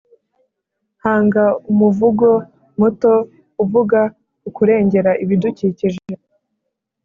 Hanga umuvugo muto uvuga ku kurengera ibidukikije